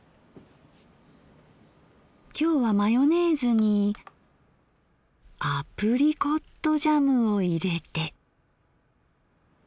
今日はマヨネーズにアプリコットジャムを入れて。